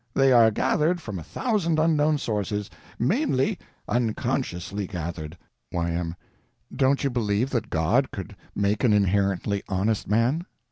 They are gathered from a thousand unknown sources. Mainly _unconsciously _gathered. Y.M. Don't you believe that God could make an inherently honest man?